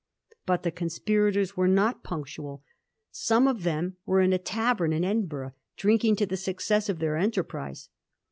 But the conspira tors were not punctual. Some of them were in a tavern in Edinburgh, drinking to the success of their enterprise.